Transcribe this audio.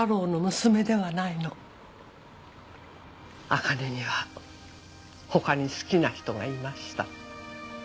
あかねには他に好きな人がいました。